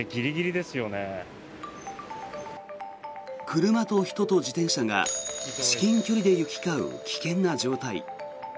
車と人と自転車が至近距離で行き交う危険な状態。